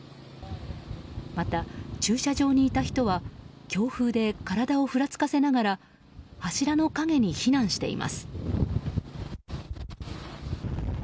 また、駐車場にいた人は強風で体をふらつかせながら柱の陰に避難しています。